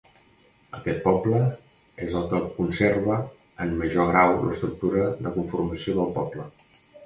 Aquest poble és el que conserva en major grau l'estructura de conformació del poble.